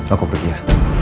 aku pergi ya